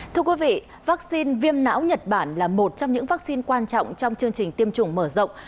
thưa quý vị vaccine viêm não nhật bản là một trong những vaccine quan trọng trong chương trình tiêm chủng mở rộng